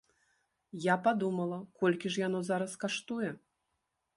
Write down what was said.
Я падумала, колькі ж яно зараз каштуе?